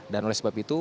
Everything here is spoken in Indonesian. dan oleh sebab itu